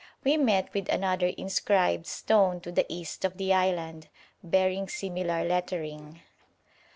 We met with another inscribed stone to the east of the island, bearing similar lettering.